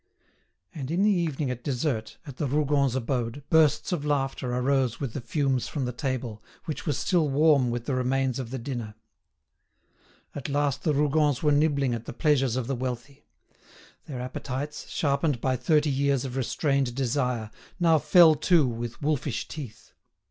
And in the evening at dessert, at the Rougons' abode, bursts of laughter arose with the fumes from the table, which was still warm with the remains of the dinner. At last the Rougons were nibbling at the pleasures of the wealthy! Their appetites, sharpened by thirty years of restrained desire, now fell to with wolfish teeth.